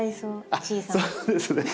あっそうですね。